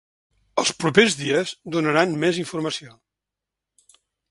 En els propers dies donaran més informació.